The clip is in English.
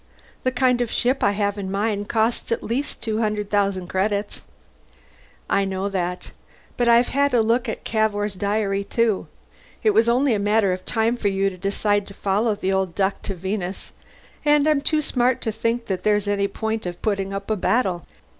The kind of ship I have in mind costs at least two hundred thousand credits." "I know that. But I've had a look at Cavour's diary, too. It was only a matter of time before you decided to follow the old duck to Venus, and I'm too smart to think that there's any point in putting up a battle.